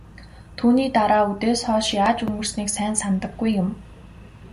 Түүний дараа үдээс хойш яаж өнгөрснийг сайн санадаггүй юм.